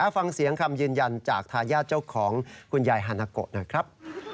ฟังเสียงคำยืนยันจากทายาทเจ้าของคุณยายฮานาโกะหน่อยครับ